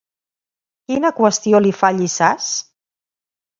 Quina qüestió li fa Llissàs?